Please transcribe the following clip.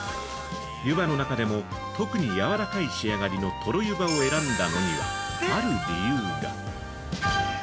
湯葉の中でも特にやわらかい仕上がりのとろ湯葉を選んだのには、ある理由が。